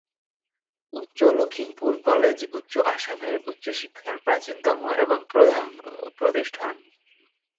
উত্তর লখিমপুর কলেজ উচ্চ আসামের উচ্চশিক্ষার প্রাচীনতম এবং প্রধান প্রতিষ্ঠান।